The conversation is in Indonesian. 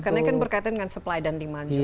karena kan berkaitan dengan supply dan demand juga ya